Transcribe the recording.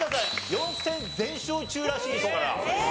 ４戦全勝中らしいですから。